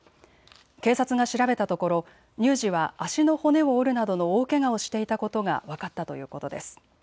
警察が調べたところ乳児は足の骨を折るなどの大けがをしていたことが分かったということです。